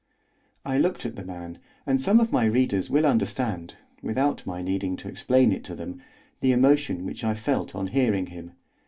I looked at the man, and some of my readers will understand, without my needing to explain it to them, the emotion which I felt on hearing him.